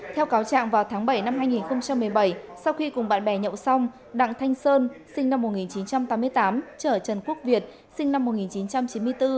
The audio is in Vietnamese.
theo cáo trạng vào tháng bảy năm hai nghìn một mươi bảy sau khi cùng bạn bè nhậu xong đặng thanh sơn sinh năm một nghìn chín trăm tám mươi tám trở trần quốc việt sinh năm một nghìn chín trăm chín mươi bốn